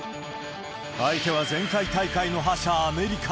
相手は前回大会の覇者、アメリカ。